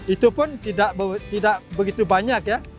itu pun tidak begitu banyak ya